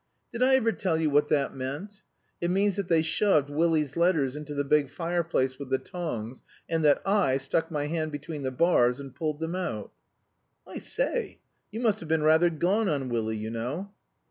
"Did I ever tell you what that meant? It means that they shoved Willie's letters into the big fireplace with the tongs and that I stuck my hand between the bars and pulled them out." "I say you must have been rather gone on Willie, you know."